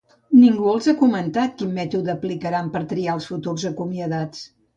Ningú els ha comentat quin mètode aplicaran per triar els futurs acomiadats.